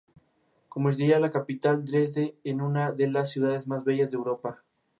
Convertiría la capital, Dresde, en una de las ciudades más bellas de Europa.